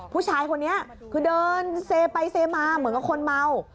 ผู้ชายคนนี้คือเดินเซไปเซมาเหมือนกับคนเมา